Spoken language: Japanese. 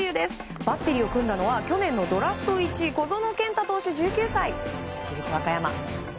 バッテリーを組んだのは去年のドラフト１位小園健太投手、１９歳。